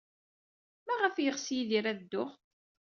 Maɣef ay yeɣs Yidir ad dduɣ?